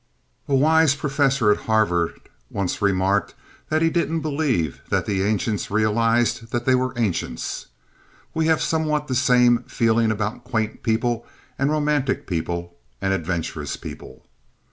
A wise professor at Harvard once remarked that he didn't believe that the ancients realized that they were ancients. We have somewhat the same feeling about quaint people and romantic people and adventurous people.